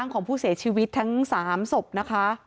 ของผู้เสียชีวิตทั้ง๓ศพนะคะ